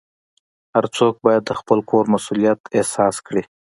هر څوک باید د خپل کور مسؤلیت احساس کړي.